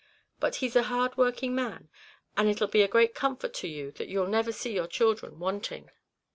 But he's a hard working man, and it'll be a great comfort to you that you'll never see your children wanting."